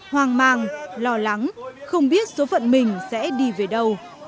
hoang mang lo lắng không biết số phận mình sẽ đi về đâu